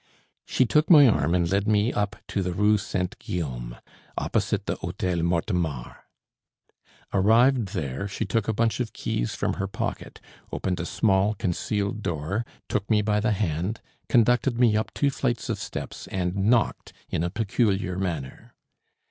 She took my arm and led me up to the Rue St. Guillaume, opposite the Hôtel Mortemart. Arrived here, she took a bunch of keys from her pocket, opened a small, concealed door, took me by the hand, conducted me up two flights of steps, and knocked in a peculiar manner.